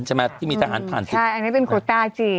ใช่อันนี้เป็นโควตาจริง